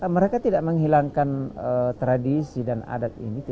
mereka tidak menghilangkan tradisi dan adat ini